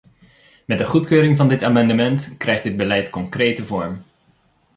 Met de goedkeuring van dit amendement krijgt dit beleid concrete vorm.